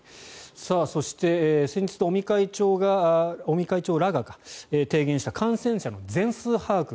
そして先日の尾身会長らが提言した感染者の全数把握